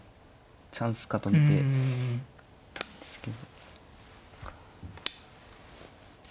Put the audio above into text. チャンスかと見てたんですけど。